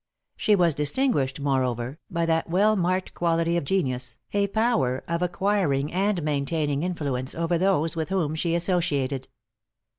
She was distinguished, moreover, by that well marked quality of genius, a power of acquiring and maintaining influence over those with whom she associated.